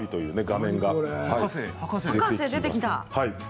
博士が出てきた。